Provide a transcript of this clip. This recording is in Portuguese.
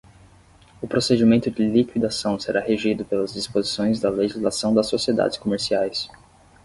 O procedimento de liquidação será regido pelas disposições da legislação das sociedades comerciais.